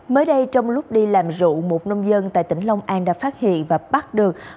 mới đây trong lúc đi làm rượu một nông dân tại tỉnh long an đã phát hiện và bắt được